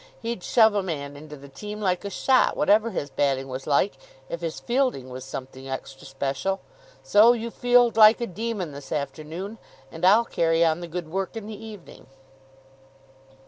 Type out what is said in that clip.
He'd shove a man into the team like a shot, whatever his batting was like, if his fielding was something extra special. So you field like a demon this afternoon, and I'll carry on the good work in the evening."